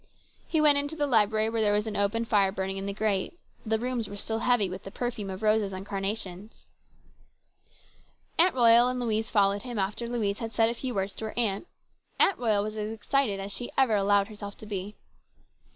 He went into the library where there was an open fire burning in the grate. The rooms were still heavy with the perfume of roses and carnations. Aunt Royal and Louise followed him, after Louise had said a few words to her aunt. Aunt Royal was as excited as she ever allowed herself to be.